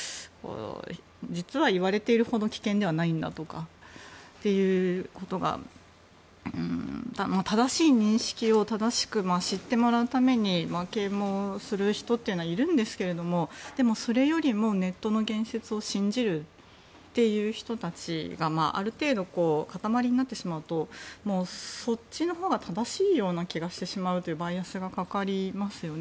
実は言われているほど危険ではないんだとかっていうことが正しい認識を正しく知ってもらうために啓もうする人っていうのはいるんですがそれよりもネットの言説を信じるという人たちがある程度固まりになってしまうとそっちのほうが正しいような気がしてしまうというバイアスがかかりますよね。